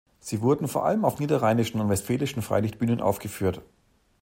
Sie wurden vor allem auf niederrheinischen und westfälischen Freilichtbühnen aufgeführt.